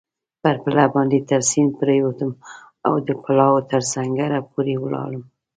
پر پله باندې تر سیند پورېوتم او د پلاوا تر سنګره پورې ولاړم.